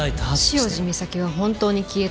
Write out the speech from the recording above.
潮路岬は本当に消えた。